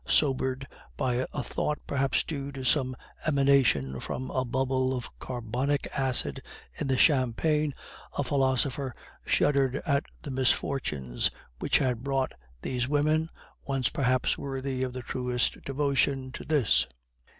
Sobered by a thought perhaps due to some emanation from a bubble of carbonic acid in the champagne, a philosopher shuddered at the misfortunes which had brought these women, once perhaps worthy of the truest devotion, to this.